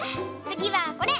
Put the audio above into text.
つぎはこれ！